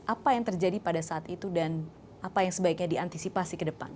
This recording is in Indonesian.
apa yang terjadi pada saat itu dan apa yang sebaiknya diantisipasi ke depan